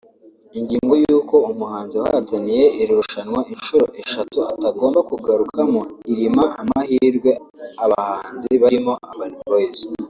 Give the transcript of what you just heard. Ingingo y’uko umuhanzi wahataniye iri rushanwa inshuro eshatu atagomba kugarukamo irima amahirwe abahanzi barimo Urban Boyz